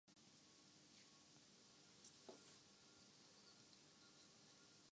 اس کے لیے قومی سیاسی جماعتوں کا کردار بہت اہم ہے۔